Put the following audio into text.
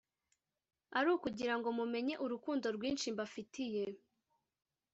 ari ukugira ngo mumenye urukundo rwinshi mbafitiye